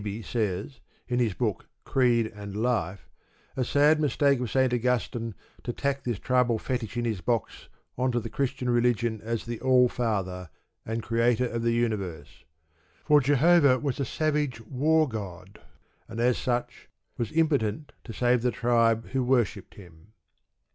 Beeby says, in his book Creed and Life, a sad mistake of St. Augustine to tack this tribal fetish in his box on to the Christian religion as the All Father, and Creator of the Universe. For Jehovah was a savage war god, and, as such, was impotent to save the tribe who worshipped him.